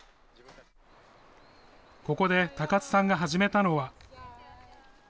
ここで高津さんが始めたのは。